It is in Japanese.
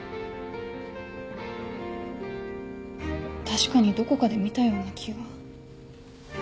確かにどこかで見たような気が。